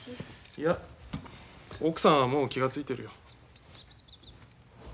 いや奥さんはもう気が付いてるよ。